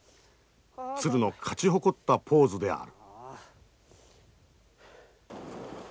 鶴の勝ち誇ったポーズである。